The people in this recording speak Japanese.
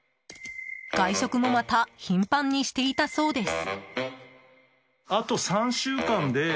外食もまた頻繁にしていたそうです。